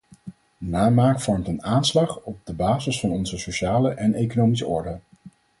Namaak vormt een aanslag op de basis van onze sociale en economische orde.